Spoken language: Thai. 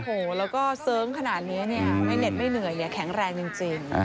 โอ้โหแล้วก็เสิร์งขนาดนี้เนี่ยไม่เหน็ดไม่เหนื่อยอย่าแข็งแรงจริง